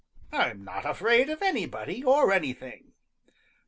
I'm not afraid of anybody or anything.